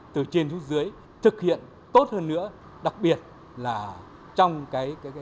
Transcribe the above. từ trên xuống dưới thực hiện tốt hơn nữa đặc biệt là trong cái